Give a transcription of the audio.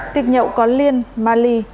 tiệc nhậu có liên ma ly